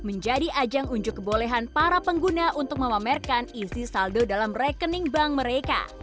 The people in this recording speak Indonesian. menjadi ajang unjuk kebolehan para pengguna untuk memamerkan isi saldo dalam rekening bank mereka